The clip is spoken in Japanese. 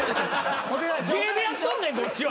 芸でやっとんねんこっちは。